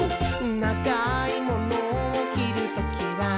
「ながいモノをきるときは、」